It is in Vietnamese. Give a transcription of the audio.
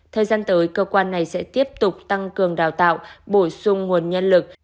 thời gian tới cơ quan này sẽ tiếp tục tăng cường đào tạo bổ sung nguồn nhân lực